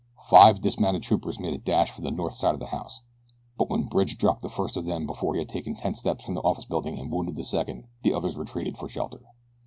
Five dismounted troopers made a dash for the north side of the house; but when Bridge dropped the first of them before he had taken ten steps from the office building and wounded a second the others retreated for shelter.